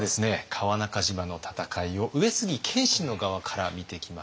川中島の戦いを上杉謙信の側から見てきました。